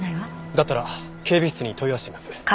だったら警備室に問い合わせてみます。